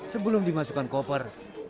sebelum dimasukkan koper